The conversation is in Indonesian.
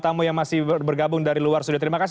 tamu yang masih bergabung dari luar sudah terima kasih